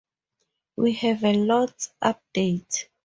We have a lost update.